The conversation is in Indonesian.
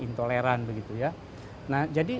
intoleran nah jadi